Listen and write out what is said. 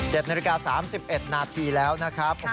นาฬิกา๓๑นาทีแล้วนะครับ